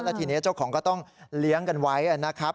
ทีนี้เจ้าของก็ต้องเลี้ยงกันไว้นะครับ